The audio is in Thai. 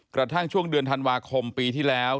กระทั่งช่วงเดือนธันวาคมปีที่แล้ว